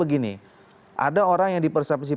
seperti ini ada orang yang di persepsi